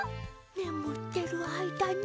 ねむってるあいだに？